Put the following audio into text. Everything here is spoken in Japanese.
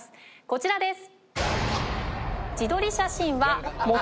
こちらです！